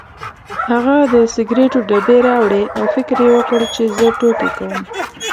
هغه د سګرټو ډبې راوړې او فکر یې وکړ چې زه ټوکې کوم.